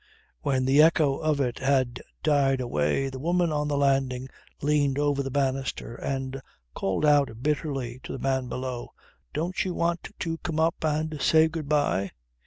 When the echo of it had died away the woman on the landing leaned over the banister and called out bitterly to the man below "Don't you want to come up and say good bye."